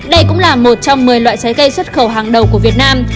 đây cũng là một trong một mươi loại trái cây xuất khẩu hàng đầu của việt nam